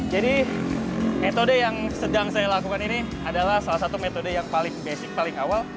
jadi metode yang sedang saya lakukan ini adalah salah satu metode yang paling basic paling awal